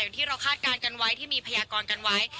ที่เราคาดการณ์กันไว้ที่มีพยากรกันไว้